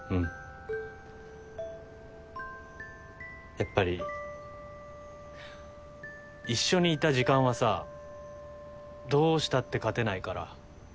やっぱり一緒にいた時間はさどうしたって勝てないから。